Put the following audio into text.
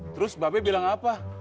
terus babe bilang apa